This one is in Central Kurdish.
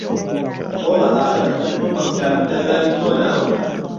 ڕوڵه ئاخر ئهمن ئهو مهمکانەم لە زاری تۆ ناوه